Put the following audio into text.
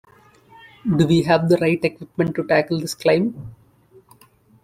Do we have the right equipment to tackle this climb?